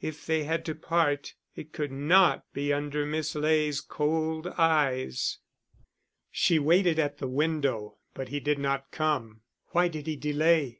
If they had to part, it could not be under Miss Ley's cold eyes. She waited at the window, but he did not come. Why did he delay?